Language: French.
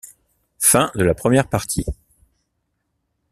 fin de la première partie.